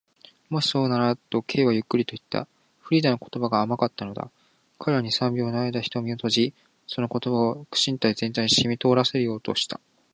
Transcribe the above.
「もしそうなら」と、Ｋ はゆっくりといった。フリーダの言葉が甘かったのだ。彼は二、三秒のあいだ眼を閉じ、その言葉を身体全体にしみとおらせようとした。